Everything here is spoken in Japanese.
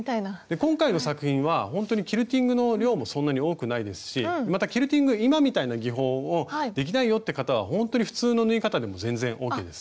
今回の作品はほんとにキルティングの量もそんなに多くないですしまたキルティングが今みたいな技法をできないよって方はほんとに普通の縫い方でも全然ＯＫです。